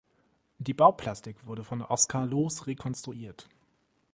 Die Bauplastik wurde von Oskar Loos rekonstruiert.